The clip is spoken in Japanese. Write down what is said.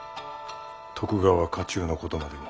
徳川家中のことまでも。